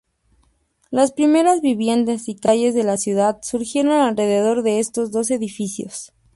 Las primeras viviendas y calles de la ciudad surgieron alrededor de estos dos edificios.